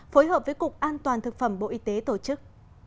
phối hợp với cục an toàn thực phẩm bộ y tế tổ chức